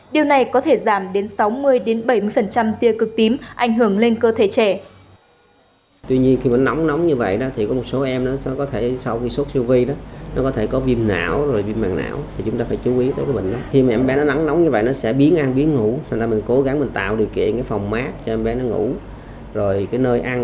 điều này có thể giảm đến sáu mươi bảy mươi tiêu cực tím ảnh hưởng lên cơ thể trẻ